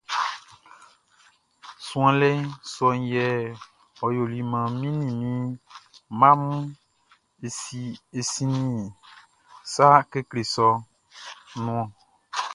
Suanlɛ sɔʼn yɛ ɔ yoli maan mi ni mi mma mun e sinnin sa kekle sɔʼn nun ɔn.